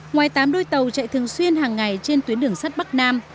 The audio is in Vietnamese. ngoài tám đôi tàu chạy thường xuyên hàng ngày trên tuyến đường sắt bắc nam